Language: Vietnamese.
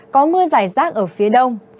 có mưa dài rác ở phía đông